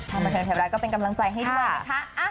ถ้าเผลอแถวร้ายก็เป็นกำลังใจให้ด้วยนะคะ